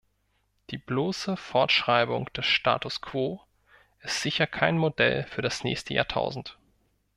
Die bloße Fortschreibung des status quo ist sicher kein Modell für das nächste Jahrtausend.